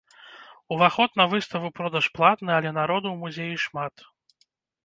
Уваход на выставу-продаж платны, але народу ў музеі шмат.